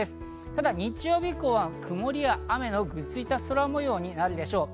ただ日曜日以降は曇りや雨のぐずついた空模様になるでしょう。